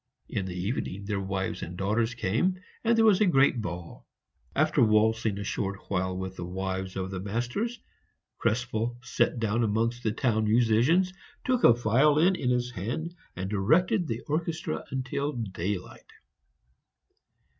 In the evening their wives and daughters came, and there was a great ball. After waltzing a short while with the wives of the masters, Krespel sat down amongst the town musicians, took a violin in his hand, and directed the orchestra until daylight.